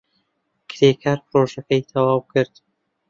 کرێکار پرۆژەکەی تەواو کرد.